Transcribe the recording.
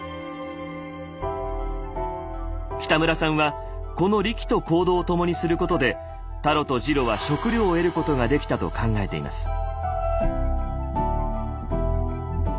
北村さんはこのリキと行動を共にすることでタロとジロは食料を得ることができたと考えています。